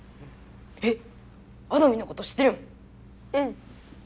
えっあどミンのこと知ってるん⁉うん。